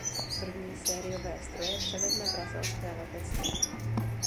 První sériové stroje převezme brazilské letectvo.